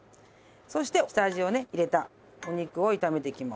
そして下味をね入れたお肉を炒めていきます。